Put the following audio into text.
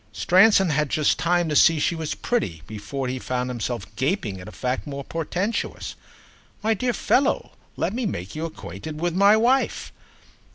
Stransom had just time to see she was pretty before he found himself gaping at a fact more portentous. "My dear fellow, let me make you acquainted with my wife."